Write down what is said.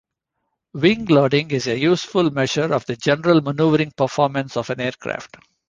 Wing loading is a useful measure of the general maneuvering performance of an aircraft.